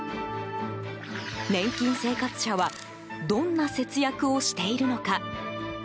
年金生活者はどんな節約をしているのか。